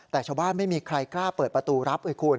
แต่ชาวบ้านไม่มีใครกล้าเปิดประตูรับไงคุณ